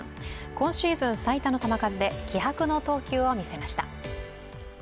今シーズン最多の球数で気迫の投球を見せました。